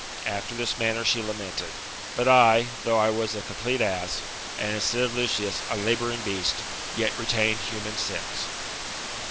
After this manner she lamented. But I, though I was a complete ass, and, instead of Lucius, a labouring b^st, yet retained human sense.